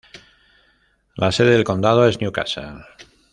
La sede de condado es New Castle.